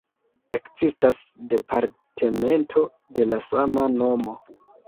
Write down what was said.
Ekzistas departemento de la sama nomo.